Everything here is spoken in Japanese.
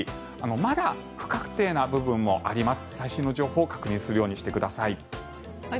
まだ不確定な部分もあります。